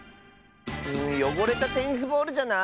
よごれたテニスボールじゃない？